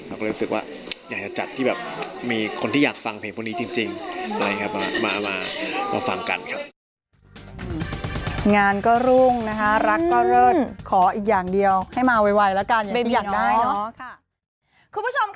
เราก็เลยรู้สึกว่าอยากจะจัดที่แบบมีคนที่อยากฟังเพลงพวกนี้จริง